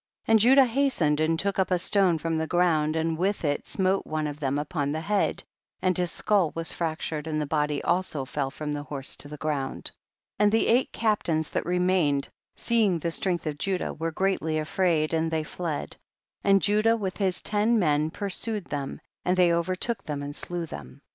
45. And Judah hastened and took up a stone from the ground, and with it smote ofie of them upon the head, and his skull was fractured, and the body also fell from the horse to the ground. 46. And the eight captains that remained, seeing the strength of Ju dah, were greatly afraid and they fled, and Judah with his ten men pur sued them, and they overtook them and slew them.